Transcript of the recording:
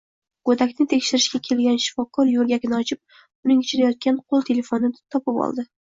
Goʻdakni tekshirishga kelgan shifokor yoʻrgakni ochib, uning ichida yotgan qoʻl telefonini topib oldi